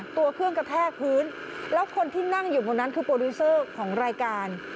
ตัวเครื่องกระแทกพื้นแล้วคนที่นั่งอยู่บนนั้นคือโปรดิวเซอร์ของรายการ